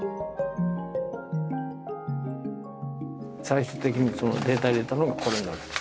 最終的にデータを入れたのがこれなんです。